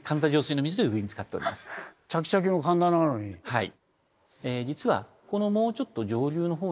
はい。